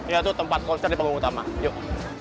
yaitu tempat konser di panggung utama yuk